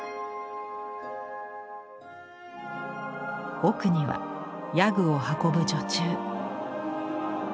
奥には夜具を運ぶ女中。